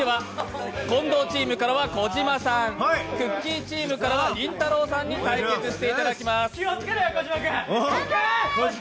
近藤チームからは小島さん、くっきー！チームからはりんたろーさんに対決していただきます。